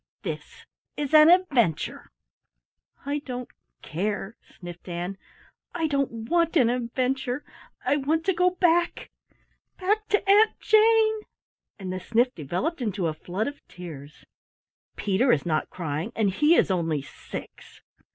This is an adventure." "I don't care," sniffed Ann, "I don't want an adventure. I want to go back back to Aunt Jane!" And the sniff developed into a flood of tears. "Peter is not crying, and he is only six."